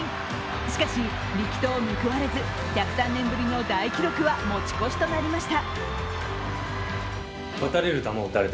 しかし力投報われず、１０３年ぶりの大記録は持ち越しとなりました。